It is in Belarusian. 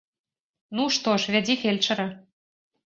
Ну, што ж, вядзі фельчара.